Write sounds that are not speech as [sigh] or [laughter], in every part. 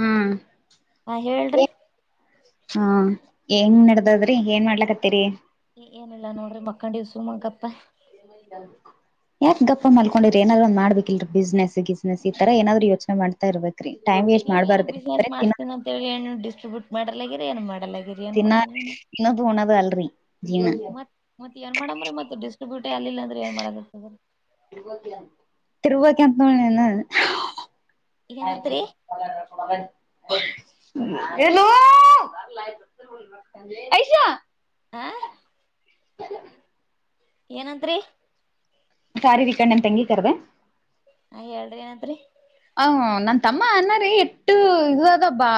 ಹ್ಮ್. ಹಾ ಹೇಳ್ರಿ. ಹಾ ಏಂಗ ನಡದದ್ರಿ ಏನ್ ಮಾಡ್ಲಕ್ತ್ತೇರಿ. ಏನಿಲ್ಲಾ ನೋಡ್ರಿ ಮಕ್ಕಂಡಿ ಸುಮ್ ಗಪ್. ಯಾಕ ಗಪ್ಪ ಮಲ್ಕೊಂಡಿರ ಏನಾರರು ಒಂದು ಮಾಡ್ಬೇಕಿಲ್ರ ಬಿಸ್ನೆಸ್. ನಸ್ ಈ ತರ ಏನಾದ್ರು ಯೋಚನೆ ಮಾಡ್ತಾ ಇರ್ಬೇಕ ರೀ ಟೈಮ್ ವೇಸ್ಟ್ ನೀವ್ ಮಾಡಬಾರ್ದ್ರಿ ಬರ ಬುಟ್ ಮಾಡಲ್ಯಾಗ್ಯರ ಏನು ಮಾಡಲ ಏನ್ ಮಾಡ ತಿನ್ನ ತಿನ್ನೋದು ಉಣದು ಅಲ್ರಿ ಜೀವನ ಮ ಮತ್ತೆ ಏನ್ ಮಾಡ ಮತ್ತೆ ಡಿಸ್ಟ್ರಿಬ್ಯೂ ಟ ಆಲ್ಲಿಲ್ಲ ಅಂದ್ರೆ ಏನ್ ಮಾಡದರ್ತದ್ರ. [inaudible] ಏನಂತ್ರಿ ಏನೋ ಐಶಾ. ಆ. [inaudible] ಏನಂದರಿ. ಕಾರಿ ವಿಕಣ್ಣನ್ ತಂಗಿ ಕರದೇ. ಹ ಹೇಳ್ರಿ ಏನಾಯ್ತ ರಿ. ಹ ನನ್ ತಮ್ಮ ಅಣ್ಣರಿ ಇಟ್ಟ ಇದ ಅದ ಬ್ಬಾ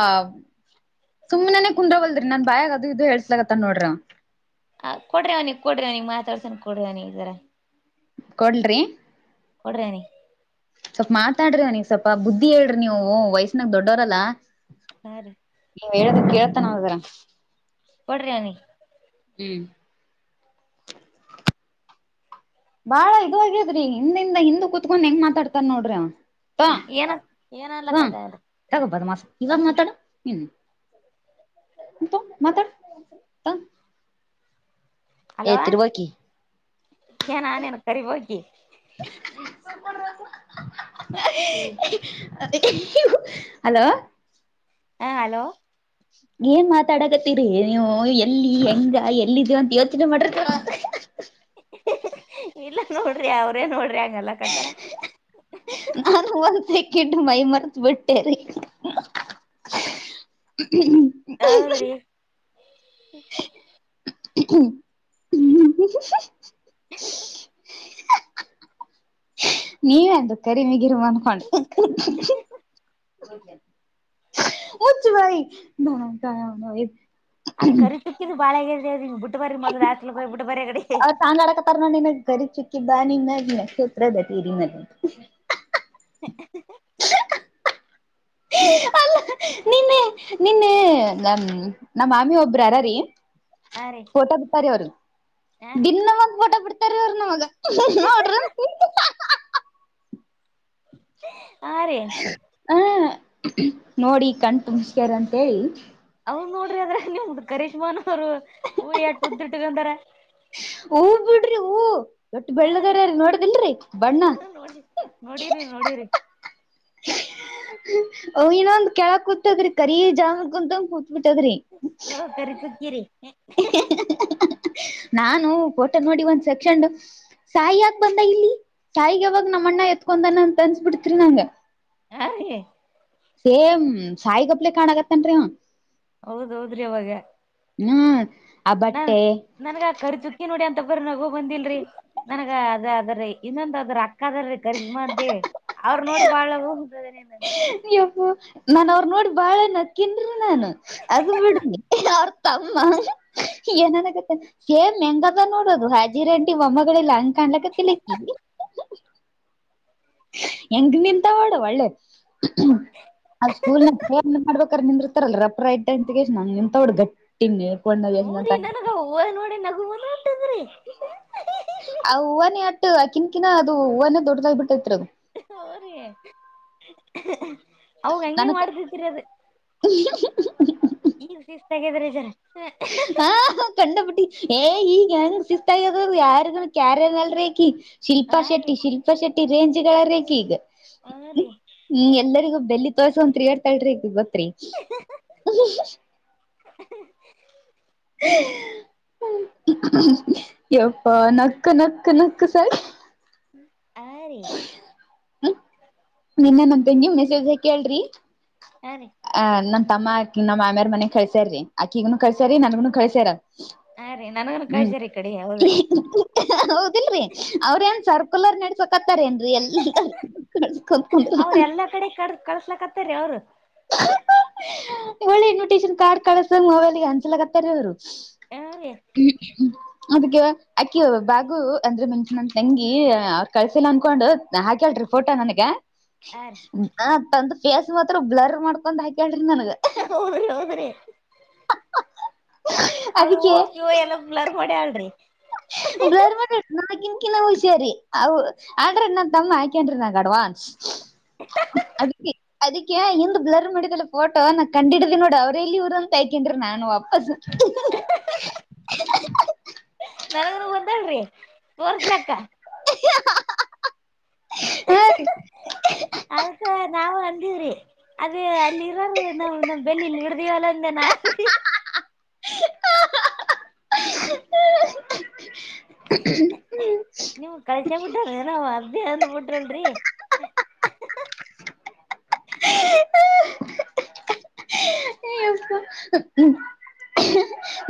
ಸುಮ್ಮ್ನೆನನೆ ಕುಂದ್ರ ಬಲ್ದ್ರಿ ನನ್ ಬಾಯಾಗ ಅದು ಇದು ಹೇಳೇಸಸ್ಲತ್ತ ನೋಡ್ರಿ ಅವ. ಹ ಕೊಡ್ರಿ ಅವನಗ್ ಕೊಡ್ರಿವ್ನಿಗ್ ಮಾತಾಡ್ಸಾನ ಕೊಡು ಅವನಿಗೆ ಜರ. ಕೋಡ್ಲಿ ರಿ. ಕೊಡ್ರಿ ಅವನಿಗೆ. ಸ್ವಲ್ಪ ಮಾತಾಡ್ರಿ ನನಿಗ್ ಸ್ವಲ್ಪ ಬುದ್ಧಿ ಹೇಳ್ರಿ ನೀವು ವಯಸ್ಸ ನಾಗ ದೊಡ್ಡವರಲ್ಲ ಹಾ ರೀ ನೀವ ಹೇಳದ ಕೇಳ್ತಾನಾವ ಜರಾ. ಕೊಡ್ರ ಅವ್ನಿಗ್. ಹ್ಮ್. ಬಾಳ ಇದ ಆಗ್ಯದ್ರಿ ಹಿಂದಿಂದ ಹಿಂದ ಕುೂತ್ಕೊಂಡ್ ಹೆಂಗ್ ಮಾತಾಡ್ತಾರ ನೋಡ್ರಿ ಅವ. ತ ಏನ ಏನಲ್ಲ [unintelligible] ಇನ್ನೊಮ್ಮೆ ಮಾತಾಡು ನಿನ್ನ್ ಮತ್ತ್ ಮಾತಾಡು [unintelligible] ಏ ಹಲೋ ತಿರ್ವಕಿ ಇಕ್ಕೇನ್ ನೀನ್ [unintelligible] ಸುಮ್ಮ್ ಕುಂದ್ರ ಅಪ್ಪು. ಹಲೋ ಹಾ ಹಲೋ. ಏನ್ ಮಾತಾಡಕತ್ತೀರಿ ನೀವು ಎಲ್ಲಿ ಹೆಂಗ ಎಲ್ಲಿ ಇದ್ದೇವ ಅಂತ ಯೋಚನೆ ಮಾಡ್ರ ಅಕ್ಕಾ. ಇಲ್ಲ ನೋಡ್ರಿ ಅವ್ರೇ ನೋಡ್ರಿ ಆ ನಾನು [unintelligible] [unintelligible] ಮೈಯಿ ಮರತ್ ಬಿಟ್ಟೇರಿ. ಹೌದ್ರಿ ಹ್ಮು [unintelligible] ನೀವೆಂದ್ ಕರಿಮಿ ಗಿರಿಮ ಅನ್ಕೊಂಡ. ಮುಚ್ಚ್ ಬಾಯಿ [unintelligible] ಆ ಕರಿ ಪಿಕ್ಕಿದ್ ಬಾಳ [unintelligible] ಬುಟ್ಟ ಬರಿ [unintelligible] ಅ ತಾನ್ ಆಡಕತ್ತಾರ್ [unintelligible] ಕರಿ ಚುಕ್ಕಿದ್ದ [unintelligible] ನಕ್ಷತ್ರದ [unintelligible] ಅಲ್ಲ್ ನಿನ್ನೆ ನಿನ್ನೆ ನನ್ ನಮ್ಮ ಮಾಮಿ ಒಬ್ರ ಯಾರ್ ರೀ ಹಾ ರೀ ಫೋಟೋ ಬಿಟ್ಟಾರಿ ಅವರ ಹಾ ರೀ ದಿನ್ನ ಒಂದ್ ಫೋಟೋ ಬಿಡ್ತಾರಿ ಅವರ ನಮಗ್. [unintelligible] ಹಾ ರೀ. ಹ ನೋಡಿ ಕಣ್ಣ್ ತುಂಬ್ಸಕೋರಿ ಅಂತ ಹೇಳಿ ಹೂ ನೋಡ್ರಿ ಅದ್ರಾಗ್ ನಿಮ್ದ ಕರೀಶ್ಮಾನ್ ಅವ್ರು ಹೂವು ಎಟ್ಟ್ ಉದ್ದ್ ಇಟ್ಕೊಂದಾರ್. ಹೂ ಬಿಡ್ರಿ ಹೂ. ಎಟ್ಟ್ ಹಾ ರೀ ಬೆಳ್ಳಗರರಿ ನೋಡಿದಿ ಇಲ್ರಿ ಬಣ್ಣ. ನೋಡಿ ನೋಡಿರಿ ನೋಡಿರಿ ಹ ಅವ ಇನ್ನೊಂದ್ ಕೆಳ ಕೂತದ್ರಿ ಕರಿ [unintelligible] ಕುಂತಂಗ ಕೂತ್ ಬಿಟ್ಟದ್ರಿ ಅ ಕರೀ ಚುಕ್ಕಿರಿ. ನಾನು ಫೋಟೊ ನೋಡಿ ಒಂದ್ ಸಕ್ಷಂಡು ಸಾಯಿ ಯಾಕ್ ಬಂದ ಇಲ್ಲಿ ಸಾಯಿಗೆ ಯವಾಗ ನಮ್ಮ ಅಣ್ಣ ಎತ್ಕೊಂಡಾನ ಅಂತ ಅನ್ಸ್ಬಿಡ್ತ್ರಿ ನಂಗ. ಹಾ ರೀ. ಸೇಮ್ ಸಾಯಿಗತ್ಲೆ ಕಾಣಾಕತ್ತಾನ್ರಿ ಅವ್. ಹೌದ ಹೌದ್ರಿ ಅವಾಗ ಹ್ಮ್ ಆ ನಾ ಬಟ್ಟೆ ನನ್ಗ ಆ ಕರಿ ಚುಕ್ಕಿ ನೋಡಿ ಅ [unintelligible] ನಗು ಬಂದಿಲ್ರಿ ನನಗ ಅದ ಅದ್ರೀ ಇನ್ನೊಂದ ಅದ್ರ ಅಕ್ಕಾ ಅದರೀ ಕರೀಷ್ಮ ಅಂತ ಹೇಳಿ ಅವ್ರ ನೋಡಿ ಬಾಳ [unintelligible] ನಾನ ಅವ್ರ ನೋಡಿ ಬಾಳ ನಕ್ಕಿನ್ರಿ ನಾನ್ ಅದು ಬಿಡಿ ಅವ್ರ ತಮ್ಮ ಏನ್ ಅನಾಕತ್ತಾನ್ ಏನ್ ಹೆಂಗದ ನೋಡೋದು ಹಾಜಿರಂಟಿ ಮಮ್ಮಗಳ್ ಇಲ್ಲ ಹಂಗ್ ಕಾನ್ಲಾಕತ್ತಿಲ್ ಇಕ್ಕಿ ಹೆಂಗ ನಿಂತಾಳ್ ನೋಡ್ ಒಳ್ಳೆ ಆ ಸ್ಕೂಲ್ನ್ಯಾಗ್ ಫೋನ್ ಹೆಂಗ್ ಮಾಡಬೇಕ್ [unintelligible] ನಿಂದಿರ್ತಾರಲ್ಲ [unintelligible] [unintelligible] ಆ ಹೂವಾನೇ ಅಟ್ಟ ಆಕಿನ್ಕಿನ ಅದು ಹೂವಾನೇ ದೊಡ್ಡದಾಗ ಬಿಟ್ಟೈತ್ರಿ ಅದು. ಹು ರೀ ಅವಾಗ ಹಂಗೆ ನನಗ್ ಮಾಡ್ತಿತ್ರಿ ಅದ್. ಈಗ ಶಿಸ್ತ ಆಗದರೀ ಜರಾ. ಹ ಕಂಡ ಪುಟ್ಟಿ ಏ ಈಗ್ ಹೆಂಗ್ ಶಿಸ್ತ್ [unintelligible] ಕ್ಯಾರ್ [unintelligible] ಶಿಲ್ಪಾ ಆ ರೀ ಶೆಟ್ಟಿ, ಶಿಲ್ಪಾ ಶೆಟ್ಟಿ ರೇಂಜ [unintelligible] ಆ ರೀ ಹ್ಮು ಎಲ್ಲರಿಗೂ ಬೆಲ್ಲಿ ತೋರ್ಸಕ್ಕೊಂತ ತಿರ್ಗಯಾಡ್ತಾಡ್ರಿ [unintelligible] ತ್ರಿ [unintelligible] [unintelligible] ಯಪ್ಪ ನಕ್ಕ ನಕ್ಕ ನಕ್ಕ ಸರಿ [inaudible] ಹ್ಮ್ ನೆನ್ನೆ ನನ್ ತೆಂಗಿ ಒಂದ್ ಮೆಸೇಜ್ ಹಾಕಿಯಳ್ ರಿ ಆ ರೀ ಆ ನನ್ ತಮ್ಮ ನಮ್ಮ್ ಮಾಮ್ಯಾರ್ ಮನೆಗ್ ಕಳ್ಸ್ಯಾರಿ ಆಕಿಗುನು ಕಳ್ಸ್ಯಾರಿ ನಂಗುನು ಕಳ್ಸ್ಯಾರ ಆ ರೀ ನನಗನು ಹ್ಮ್ ಕಳ್ಸ್ಯಾರ ಈ ಕಡೆ ಹೌದ್ರಿ ಹೌದಿಲ್ ರಿ ಅವ್ರೇನ್ ಸರ್ಪ ಮಕ್ಕಲರ್ ನೆಡ್ಸಕ್ ಹತ್ತಾರ ಏನ್ರಿ ಎಲ್ಲಾರ [unintelligible] ಕಳ್ಸ್ಲಕ್ ಹತ್ತರಿ ಅವ್ರು ಒಳ್ಳೆ ಇನ್ವಿಟೇಷನ್ ಕಾರಡ್ತಾರಾ ಸುಮ್ನ್ ಮೊಬೈಲ್ಗೆ ಹಂಚೋಲಾಗತ್ತಾರೆ ಅವ್ರು ಏನ ರಿ ಅದಕ್ಕೆ ಅಕಿ ಬಾಗು ಅಂದ್ರೆ ಮುಂಚಂದ ತಂಗಿ ಅವ್ರರು ಕಳ್ಸಿಲ್ಲ ಅನ್ಕೊಂಡು ಹಾಕ್ಯಾಳ್ ರಿ ಫೋಟೋ ನನ್ಗ ಆ ರೀ ಫೇಸ್ ಮಾತ್ರ ಬ್ಲರ್ ಮಾಡ್ಕೊಂಡ್ ಹಾಕಿ ಹೌದ್ರಿ ಹೌದ್ರಿ ಅದಕ್ಕೆ ಅವ್ರ [unintelligible] ಎಲ್ಲ ಬ್ಲರ್ ಮಾಡಿಳ್ರಿ ಹ ಹ ಸೇರಿ [unintelligible] ನನ್ ತಮ್ಮ ಹಾಕನ್ ರಿ ನಂಗ ಅಡ್ವಾನ್ಸ್ ಅದಿಕ್ಕೆ ಅದಕ್ಕೆ ಇಂದು ಬ್ಲರ್ ಮಾಡಿದಲ್ಲ ಫೋಟೋ ನಾ ಕಂಡಿದ್ದಿ ನೋಡ್ ಅವ್ರ ಎಲ್ಲಿ ಯುರು ಅಂತ [unintelligible] ನಾನು ವಾಪಸ್ ನನಗನು ಬಂದಾಳಿ ತೋರ್ಸಲಕ್ಕ [inaudible] ಹಾ ರೀ ಅದಕ್ಕ ನಾವು ಅಂದೀವ್ರಿ ಅದೇ ಅಲ್ಲಿ ಇರಲ್ ನಾವು ನಮ್ಮ್ ಬೆಲ್ಲಿಲ್ಲಿ ಹಿಡ್ದವಲ್ಲ ಅಂದೇನ್ ಆಸತಿ ನಿವು ಕಳಸೆ ಬಿಟ್ಟರೆನವ ರಿ ಅಂದು ಬಿಟಲ್ರಿ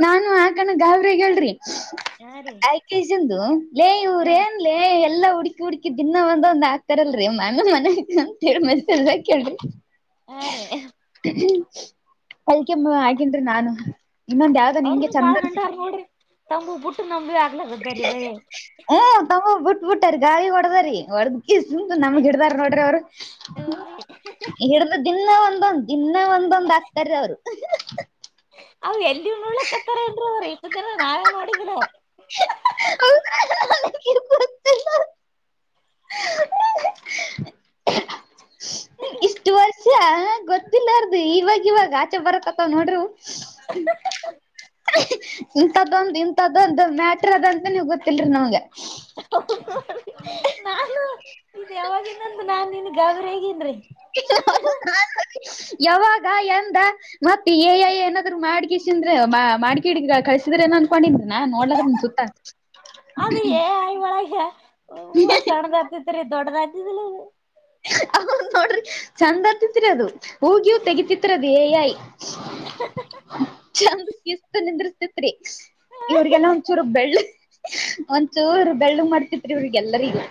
ನಾನು ಆಕಣ ಗಾಬ್ರಿಗ್ ಹೇಳ್ರಿ ಹಾ ರೀ ಆಯ್ಕೆಜಂದು ಲೇ ಹಾ ಇವ್ರೇ ಏನ್ಲೇ ಎಲ್ಲ ಹುಡ್ಕಿ ಹುಡ್ಕಿ ದಿನಾ ಒಂದಂದ ಆಕ್ತಾರಲ್ರರಿ ಮಮ್ಮ ಮನ್ಯ ಅಂತೇಳಿ ಮೆಸೇಜ್ ಹಾಕ್ಯಾಳ್ರಿ ಹಾ ರೇ ಅಲ್ಕಮ್ಮ ಆಗೇನ್ ರಿ ನಾನು ಇನ್ನೊಂದ್ ಯಾವ್ದೋ ನಿಂಗೆ ಅವ್ರನು ಬಾಳ ಚಂದ ಹಂಡ ನೋಡ್ರಿ ತಂಬು ಬುಟ್ಟು ನಂಬ ಆಗಲ ಗ್ದರಿ ಬರ ಹ್ಮ್ ತಮ್ಮ ಬಿಟ್ ಬಿಟ್ಟಾರಿ ಗಾಳಿ ಹೊಡದ್ರೀ ಹೊಡದಂ ನಮಗ ಹಿಡ್ದಾರ ನೋಡ್ರಿ ಅವರು ಹೌರಿ ಹಿಡಿದ ದಿನ್ನ ಒಂದೊಂದ್ ದಿನ್ನ ಒಂದೊಂದ್ ಆಕ್ತಾರ್ ರಿ ಅವರು ಅ ಎಲ್ಲಿ ನೋಲಕ್ತರೆ ಇನ ನಾವ ನೋಡಿದ್ದರು [unintelligible] [unintelligible] ಇಷ್ಟು ವರ್ಷ ಗೊತ್ತಿಲ್ಲ ಅರ್ದು ಇವಾಗ ಇವಾಗ ಆಚೆ ಬರತ್ತತ್ತವ ನೋಡ್ರರು [inaudible] ಇಂಥದೊಂದು ಇಂಥದ್ದೊಂದು ಮ್ಯಾಟರ್ ಅದಂತ ನೀವ ಗೊತ್ತಿಲ್ರರಿ ನಮ್ಗೆ ನಾನು ಇದ್ ಯಾವಾಗಿಂದಂತ ನಾ ನಿನ್ ಗಾಬ್ರಿ ಆಗಿ [unintelligible] [inaudible] ಯಾವಾಗ ಎಂದ ಮತ್ತೆ ಏಯ ಏನಾದ್ರು ಮಾಡಗ ಸಿಿಂದ್ರೆ ಮಾಡ್ಕಿ ಹಿಡಗ ಕಳಸಿದ್ರೆ ನನ್ ಕೊಂಡಿದ್ರನಾ ನೋಡ್ಲಾಕತಿನ್ ನಿಮ್ ಸುತ್ತ ಅವಿ ಏ ಆಯ ವಳಗ [unintelligible] ದೊಡ್ಡದಾಗಿ ಹ ನೋಡ್ರಿ ಚಂದ ಅತ್ತತಿರ ಅದು ಹೂಗಿಯೂ ತೆಗಿತಿತ್ರದು ಏ ಐ [inaudible] ಚಂದು ಶಿಸ್ತ ನಿದಿರ್ಸ್ತಿತ್ತು ರಿ ಇವ್ರಿಗೆಲ್ಲ ಒಂದಚೂರು ಬೆಳ್ಳು ಒಂದಚೂರು ಬೆಳ್ಳು ಮಾಡ್ತಿತ್ರಿ ಇವ್ರಿಗೆಲ್ಲರಿಗೂ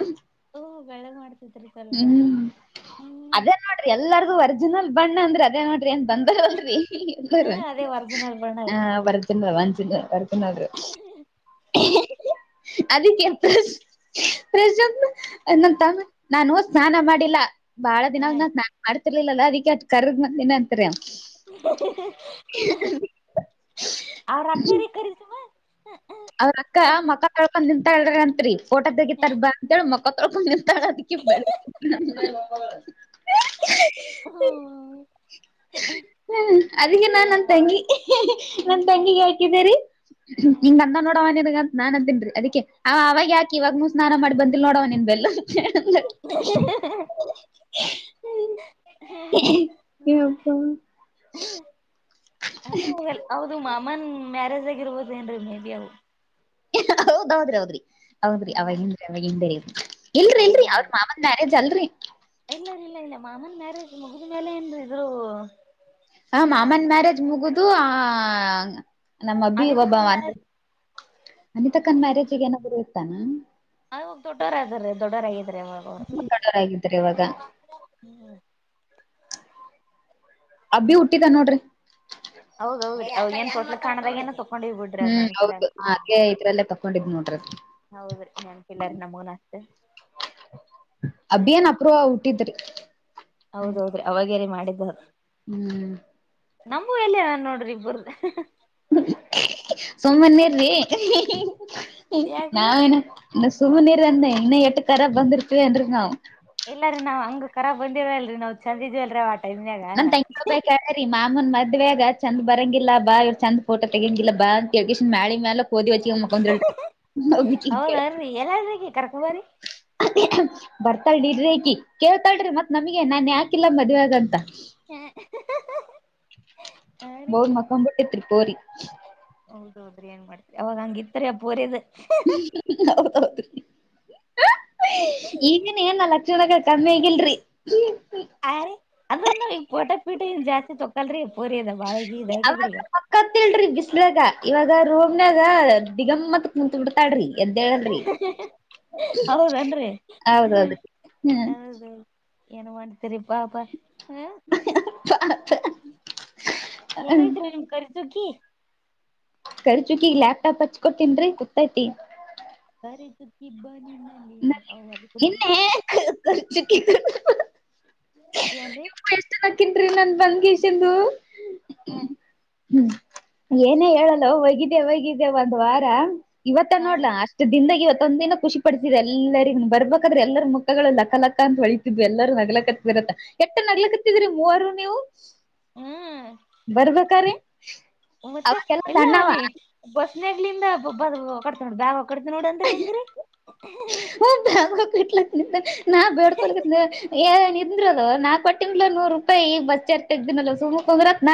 ದು ಬೆಳೆಗ್ ಮಾಡಿ ಹ್ಮ್ ಅದೇ ನೋಡ್ರಿ ಎಲ್ಲಾರಗು ಒರ್ಜಿನಲ್ ಬಣ್ಣ ಅಂದ್ರೆ ಅದೇ ನೋಡ್ರಿ ಏನ್ ಬಂದಾರಲ್ರಿ ಹ ಅದೇ ಒರಿಜಿನಲ್ ಬಣ್ಣ ರೀ ಬರ್ತೀನ್ಿ ರ ಒನ್ಸನ್ ಬರ್ತಿ ನ್ನಾದರು ಅದಕ್ಕೆ ಪ್ರಜ ನ ತ ನಾನು ಸ್ನಾನ ಮಾಡಿಲ್ಲ ಬಾಳ ದಿನವ ಹ ನಾನ್ ಸ್ನಾನ ಮಾಡ್ತಿರ್ಲಿಲ್ಲಲ್ಲ ಅದಿಕ್ಕೆ ಅ ಕರ್ದ ಬಂದಿನ ಅಂತತ್ರಿ ಅವ ರಾಕ್ತರಿೀ ಕಿಸು ಮ ಅವ್ರ ಅಕ್ಕ ಮಕ್ಕ ಕಳ್ಕೊಂಡ್ ನಿಂತ ಹೇಳ್ರ ಅಂತ್ರಿ ಫೋಟೋ ತೆಗಿಿತಾರ ಬಾ ಅಂತ ಹೇಳಿ ಮಕ್ಕ ತಾಣತಿಕ್ಕೆ ಬೆಡ ಹೌ ಅದಗ ನಾನ್ ನನ್ ತಂಗಿ ನನ್ ತಂಗಿಿಗೆ ಹ್ಮ ಹಾಕಿದ್ದೀರಿಂಗಂದ ಸ್ನಾನ ಅನ್ ತಿನ್ಿ ಅದಿ ಅವಾಗ ಯಾಕಿ ಇವಾಗ ಸ್ನಾನ ಮಾಡಿ ಬಂದಿಲ್ ನೋಡವ ನಿನ್ ಬೆಲ್ಲ ಹ ಹ್ಮ ಯಪ್ಪಾ ಅಂದ್ರೆ ಹೋಗಲ್ ಹೌದು ಮಾಮನ್ ಮ್ಯಾರೇಜ್ ಆಗಿರ್ಬೋದ ಏನ್ರೀ ಮೇ ಬಿಿ ಅವವು ಹೌದ್ೌದ್ರಿ ಹೌದ್ರಿ ಹೌದ್ರಿ ಹ್ಮ್ ಅವಾಗನ್್ರಿ ಅವಾಗ ಹಿಂದೇ ಇಲ್ರಿ ಇಲ್ರಿ ಅವ್ರ ಮಾಮನ ಮ್ಯಾರೇಜ್ ಅಲ್ರರಿ ಇಲ್ಲಾರ ಇಲ್ಲ ಇಲ್ಲ ಮಾಮನ ಮ್ಯಾರೇಜ ಮುಗಿದ ಮೇಲೆ ಏನ್ ಇದ್ರು ಹ ಯಾರು ಮಾಮನ್ ಮ್ಯಾರೇಜ್ ಮುಗದು ಆ ಅಮ್ಮಬ ಒಬ್ಬ ಅನಿತಕ್ಕನ್ ಮಾಡ ಮ್ಯಾರೇಜ್ ಅನಿತಕನ್ ಮ್ಯಾರೇಜ್ಗ ಏನಾದ್ರು ಇರ್ತ್ತಾನ ದೊಡ್ಡರ ದೊಡ್ಡರ ಆ ತುಂಬಾ ಕಡರಾಗಿದ್ರೆ ಇವಾಗ ಅಬ್ಬಿ ಹುಟ್ಟಿದ ನೋಡ್ರಿ ಅವ ಏನ್ೋಟ್ ಕಾಣದಾಗ ನ ಹ್ಮ್ ಹೌದು ಅದೆ ಇದ್ರಲ್ಲೇ ಪಕ್ಕೊಂಡಿದ್ ನೋಡ್ರಿ ಹೌದ್ರಿ ನೆನ್ಪಿಲ್ಲರಿ ನಮಗನ್ ಅಷ್ಟೆ ಅಭಿಯನ್ ಅಪ್ರೂ ಹುಟ್ಟಿದ್ರಿ ಹೌದೌದ್ರಿ ಅವಾಗ್ಯರಿ ಮಾಡಿದ್ದ ಹ್ಮ್ ನಮೂ ಎಲ್ಲ ನೋಡ್ರಿ ಇಬ್ರ್ದ ಸುಮ್ಮನೇಿ ಯಾಕ್ರಿ ನಾವೇನ ಸುಮ ನೀರು ಅಂದೆ ಇನ್ನ ಎಷ್ಟು ತರ ಬಂದರುತ ನವು ಎಲ್ಲರೀ ನಾವ್ ಹಂಗ ಕರ ಬಂದಿವಲ್ರರಿ ನಾವ್ ಚಂದಜ್ ಅಲ್ರ ನನ್ ತೆಂಗಳ ಬೇಕ ಹೇಳ್ರೀಮ್ಮ ಅಮ್ಮನ್ ಮದ್ವೆಗ ಚಂದ ಬರಂಗಿಲ್ಲ ಬಾ ಇವ್ ಚಂದ ೋಟೋ ತೆಗಂಗಿಲ್ಲ ಬಾ ಯಕೇಶನ್ ಮ್ಯಾಳಿ ಮ್ಯಾಲ ಹೋದ ಮುಕ್ಕೊಂತ ಹೌದನ್ರಿ ಎಲ್ಲಾರಿಗೆ ಕರ್ಕೊಂಬರಿ ಬರ್ತಾಳಿ ಇ್ರಕಿ ಕೇಳ್ತಾಳ್ರಿ ಮತ್ ನಮಗೆ ನಾನ ಯಾಕಿಲ್ಲ ಮದ್ವೆಾಗ ಅಂತ ಹ್ಮ್ ಬೌದ ಮಕ್ಕೊ್ಬುಟ್ಟಿತ್ರಿ ಪೋರಿ ಹೌದೌದ್ರಿ ಏನ್ ಮಾಡ್ತ್ರಿ ಅವಾಗ ಹಂಗಿತ್ರಿ ಪುರ್ ಹೌದೌದು ಈಗೇನ್ ಏನ್ ಲಕ್ಷಣಗಳು ಕಮ್ಮಿ ಆಗಿಲ್ರಿ ಅದ್ರ ನ ಈಗ ಪೋಟೆ ಪೀಟೆ ಜಾಸ್ತಿ ತೊಕಲ್ರಿ ಅವಾಗ ಪಕ್ಕತ್ಲ್ಿ ಬಿಸಲಾಗ ಇವಾಗ ರೋಮ್ನ್ಾಗ ದಿಗಮತ್ ಕುತ್ ಬಿಡ್ತಾಡ್ರಿ ಹೌದನ್ರಿ ಹೌದೌದ್ರಿ ಹ್ಮ್ ಹೌದು ನ ಮಾಡಟ ತಿ್ರೀಪಾಪ ಹ ಎಲ್ಲ ಐತ್ ನಿಮ್ ಕರಿತುಕಿ ಕರ್ ಚುಕಿ ಈಗ ಲ್ಯಾಪ್ಟಾಪ್ ಹಚ್ಕೊತನ್ರಿ ಗೊತ್ತೈತಿ ಸರಿ ಸುಕ್ಕಿಬ್ಬ ನಿ ಇನ್ನ ಹ ಕುರ್ ಚುಕ್ಕ ಏನ್ರೀ ರಿ ನನ್ ಬನಕೆ ಸಿಂಧು ಹ ಹ್ಮ್ ಏನೇ ಹೇಳಲ್ಲ ಒಗಿದೆ ಒಗಿದೆೆ ಒಂದ್ ವಾರ ಇವತ್ತ ಹಾ ರೀ ನೋಡ್ಲಾ ಅಷ್ಟು ದಿನದಾಗ ಇವತ್ತು ತಂದೆ ಖುಷಿ ಪಡಿಸಿದೆ ಎರಿಗ ಬರ್ಬೇಕಾದ್ರೆ ಎಲ್ಲರ ಮುಖಗಳು ಲಕ್ಕಲಕ್ಕ ಅಂತ ಹೊಳಿತಿದ್ ಎಲ್ಲರೂ ನಗ್ಲಕ್ಕ ಬತ್ತ ಎಟ್ಟ ನಡಿಯಕತ್ತಿದರಿ ಮೂವರು ನೀವು ಹ್ಮ್ ಬರ್ಬೇಕ್ರೀ ಮತ್ತೆ ಅವಾಗೆಲ್ಲ ಇಲ್ಲ ಸಣ್ಣವ ಅಲ್ಲಿ ಬಸ್ನಗ್ಲಿಂದ ಕತ ನೋ ಬ್ಯಾಗ [unintelligible] [unintelligible] ತಿಂದ್ರದು ನಾಕಕ್ ಪಟ್ಟಿಲ ನೂರ್ ರೂಪಾಯಿ ಬಸ್ರ್ ತಗ್ದಿನಲ್ಲ ಸುಮಕ್ ಹ್ರತ್ನ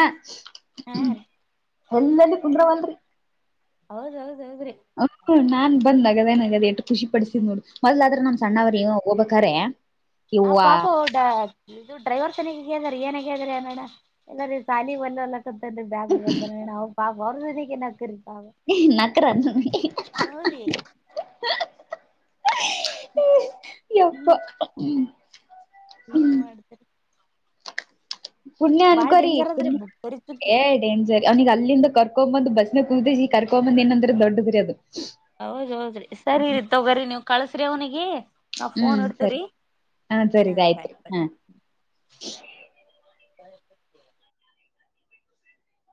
ಹಾ ಎಲ್ಲಲ್ಲಿ ಕುಗ್ರ ಮನ್ರಿ ಹೌದೌದು ಹ ನಾನ್ ಬಂದ್ಗಗದೇ ನಗದ ಎಷ್ಟು ಖುಷಿ ಪಡಿಸಿದ್ ನೋಡು ಮೊದ್ದ ಆದ್ರ ನಮ್ ಹ್ಮ್ ಸಣ್ಣವರೇೋಗಬ ಕರೆ ಆ ಪಪಾವಡ ಇದು ಡ್ರೈವರ್ ತನಿಗೆ ಕ ಹೇಳದ್ರ ಏನ ಕ ಹೇಳದ್ರ ಅನಡ ಎಲ್ಲ ಸಾಲಿ ಒಲ್ಲಲ್ಲ [unintelligible] ನಕರ ಅವ್ರಿ ಎಪ್ಪ ಏನ ಮಾಡ [unintelligible] ಪುಣ್ಯ ಅನುಕರಿ ಡೇಂಜರ್ ಪುಣ ಅದ್ರಿ ಬರಿ ಚುಕ್ಕಿ ಡೆಂಜರ್ ಅವನಗ್ ಅಲ್ಲಿಂದ ಕರ್ಕೊ ಬಂದು ಬಸ್ಸನ ಕುದ್ದ ಈ ಕರ್ಕೊಂಬಂದ ಏಂದ್ರ ದೊಡ್ಡದ್ರಿ ಅದು ಹೌದ್ ಹೌದ್ರಿ ಸರಿ ರೀ ತೋಗ್ರಿ ನೀವ್ ಕಳ್ಸ್ರಿ ಅವ್ನಿಗೆ ನಾವ್ ಫೋನ್ ಹ್ಮ್ ಸರಿ ಇಡ್ತವ್ರಿ ಹಾ ಸರಿ ಹ ಆಯ್ತ್ ಬಾಯ್ ಬಾಯ್ ಹಾ [unintelligible]